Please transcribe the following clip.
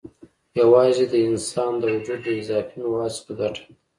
یوازې د انسان د وجود له اضافي موادو څخه ګټه اخلي.